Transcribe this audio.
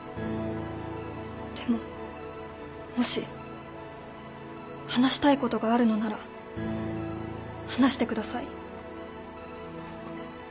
でももし話したいことがあるのなら話してください。